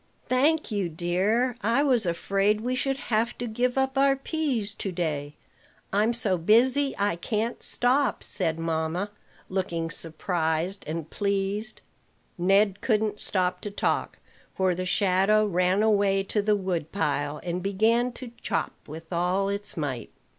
"Thank you, dear. I was afraid we should have to give up our peas to day: I'm so busy, I can't stop," said mamma, looking surprised and pleased. Ned couldn't stop to talk; for the shadow ran away to the woodpile, and began to chop with all its might.